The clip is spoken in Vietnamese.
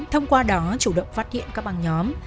thông qua đó chủ động phát hiện các băng nhóm